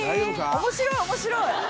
面白い面白い！